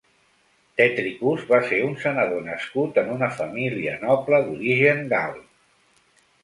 Tetricus va ser un senador nascut en una família noble d'origen gal.